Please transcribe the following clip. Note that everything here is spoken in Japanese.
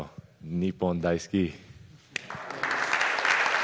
日本大好き！